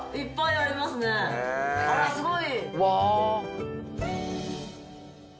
あらすごい。